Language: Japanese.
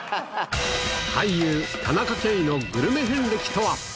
俳優、田中圭のグルメ遍歴とは。